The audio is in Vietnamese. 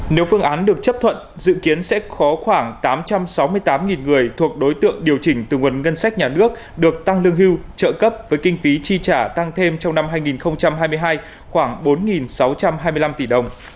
nếu phương án được chấp thuận dự kiến sẽ có khoảng tám trăm sáu mươi tám người thuộc đối tượng điều chỉnh từ nguồn ngân sách nhà nước được tăng lương hưu trợ cấp với kinh phí chi trả tăng thêm trong năm hai nghìn hai mươi hai khoảng bốn sáu trăm hai mươi năm tỷ đồng